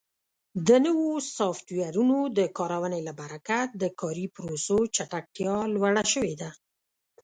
د نوو سافټویرونو د کارونې له برکت د کاري پروسو چټکتیا لوړه شوې ده.